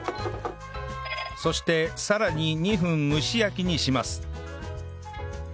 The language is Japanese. そしてさらに２分蒸し焼きにします